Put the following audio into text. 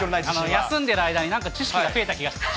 休んでる間になんか知識が増えた気が。